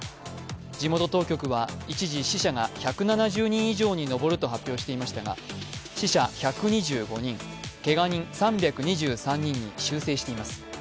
地元当局は、一時死者が１７０人以上に上るとしていましたが死者１２５人、けが人３２３人に修正しています。